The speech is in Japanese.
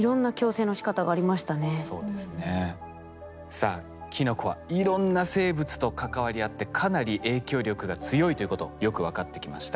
さあキノコはいろんな生物と関わり合ってかなり影響力が強いということよく分かってきました。